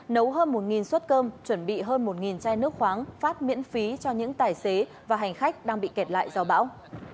nấu hơn một suất cơm chuẩn bị hơn một chai nước khoáng phát miễn phí cho những tài xế và hành khách đang bị kẹt lại do bão